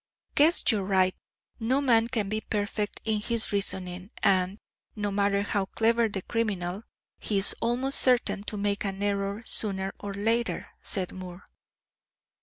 "Guess you're right. No man can be perfect in his reasoning, and, no matter how clever the criminal, he is almost certain to make an error sooner or later," said Moore.